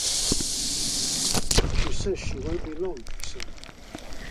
“She says she won’t be long,” he said.